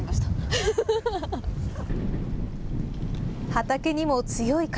畑にも強い風。